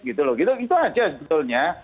gitu aja sebetulnya